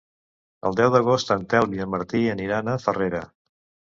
El deu d'agost en Telm i en Martí aniran a Farrera.